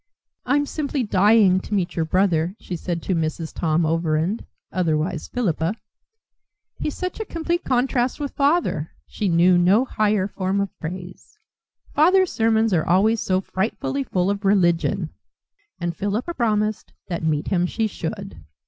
"I'm simply dying to meet your brother," she said to Mrs. Tom Overend, otherwise Philippa; "he's such a complete contrast with father." She knew no higher form of praise: "Father's sermons are always so frightfully full of religion." And Philippa promised that meet him she should.